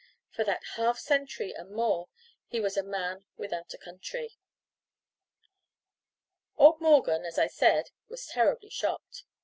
For that half century and more he was a man without a country. Old Morgan, as I said, was terribly shocked.